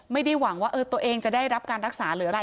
ไม่ได้หวังว่าตัวเองจะได้รับการรักษาหรืออะไร